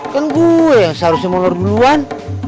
kan gue yang seharusnya mau lor duluan